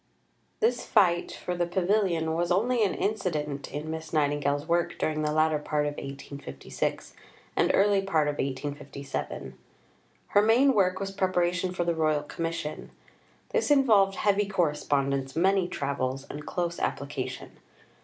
IV This fight for the pavilion was only an incident in Miss Nightingale's work during the latter part of 1856 and earlier part of 1857. Her main work was preparation for the Royal Commission. This involved heavy correspondence, many travels, and close application.